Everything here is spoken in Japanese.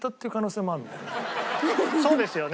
そうですよね。